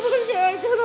mama zarah sayang semua